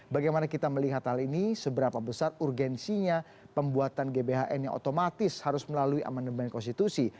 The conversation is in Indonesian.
bagaimana kita melihat hal ini seberapa besar urgensinya pembuatan gbhn yang otomatis harus melalui amandemen konstitusi